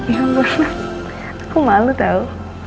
ya ampun aku malu tau